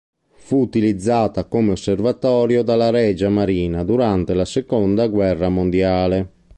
Fu utilizzata come osservatorio dalla Regia Marina durante la seconda guerra mondiale.